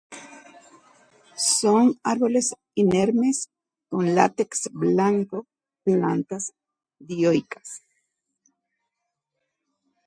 Son árboles inermes, con látex blanco; plantas dioicas.